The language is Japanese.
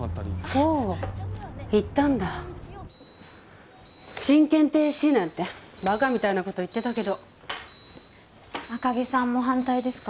・そう行ったんだ親権停止なんてバカなこと言ってたけど赤城さんも反対ですか？